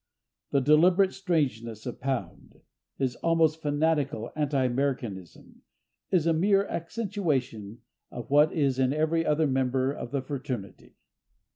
The deliberate strangeness of Pound, his almost fanatical anti Americanism, is a mere accentuation of what is in every other member of the fraternity.